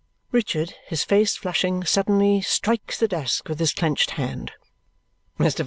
Richard, his face flushing suddenly, strikes the desk with his clenched hand. "Mr.